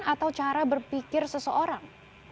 atau cara berpikir seseorang